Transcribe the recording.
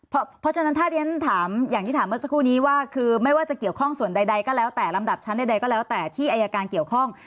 เพราะฉะนั้นถ้าเรียนถามอย่างที่ถามเมื่อสักครู่นี้ว่าคือไม่ว่าจะเกี่ยวข้องส่วนใดก็แล้วแต่ลำดับชั้นใดก็แล้วแต่ที่อายการเกี่ยวข้อง